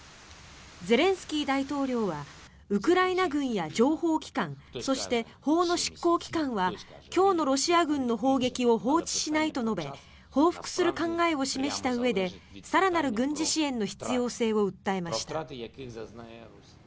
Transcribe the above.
ゼレンスキー大統領はウクライナ軍や情報機関そして法の執行機関は今日のロシア軍の砲撃を放置しないと述べ報復する考えを示したうえで更なる軍事支援の必要性を訴えました。